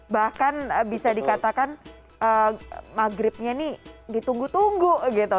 bahkan bisa dikatakan maghribnya ini ditunggu tunggu gitu